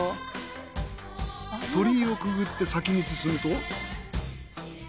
鳥居をくぐって先に進むと。